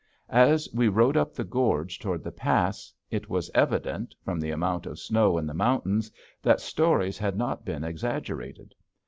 As we rode up the gorge toward the pass, it was evident, from the amount of snow in the mountains, that stories had not been exaggerated.